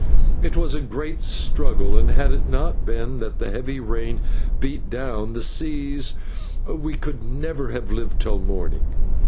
It was a great struggle, and had it not been that the heavy rain beat down the seas, we could never have lived till morning.